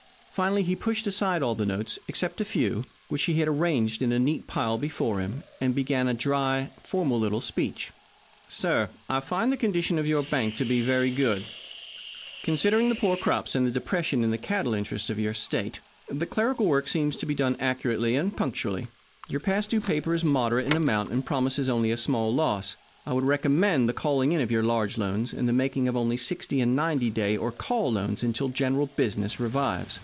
Finally he pushed aside all the notes except a few, which he arranged in a neat pile before him, and began a dry, formal little speech. "I find, sir, the condition of your bank to be very good, considering the poor crops and the depression in the cattle interests of your state. The clerical work seems to be done accurately and punctually. Your past due paper is moderate in amount, and promises only a small loss. I would recommend the calling in of your large loans, and the making of only sixty and ninety day or call loans until general business revives.